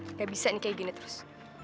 nggak bisa nih kayak gini terus